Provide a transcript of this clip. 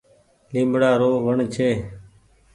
ليبڙآ رو وڻ ڇي۔